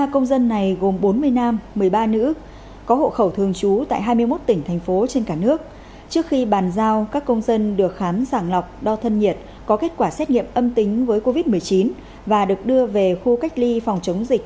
ba công dân này gồm bốn mươi nam một mươi ba nữ có hộ khẩu thường trú tại hai mươi một tỉnh thành phố trên cả nước trước khi bàn giao các công dân được khám sàng lọc đo thân nhiệt có kết quả xét nghiệm âm tính với covid một mươi chín và được đưa về khu cách ly phòng chống dịch